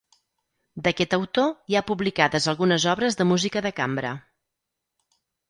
D'aquest autor hi ha publicades algunes obres de música de cambra.